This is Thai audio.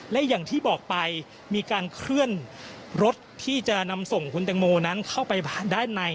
และอย่างที่บอกไปมีการเคลื่อนรถที่จะนำส่งคุณแตงโมนั้นเข้าไปด้านใน